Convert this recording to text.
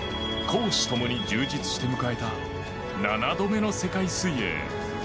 公私ともに充実して迎えた７度目の世界水泳。